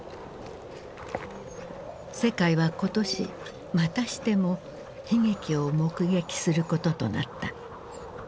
世界は今年またしても悲劇を目撃することとなった。